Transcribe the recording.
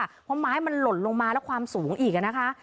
เพราะไม้มันหล่นลงมาแล้วความสูงอีกนะคะ